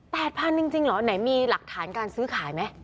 จริงจริงเหรอไหนมีหลักฐานการซื้อขายไหม